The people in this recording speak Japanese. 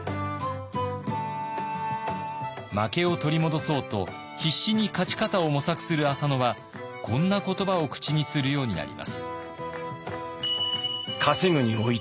負けを取り戻そうと必死に勝ち方を模索する浅野はこんな言葉を口にするようになります。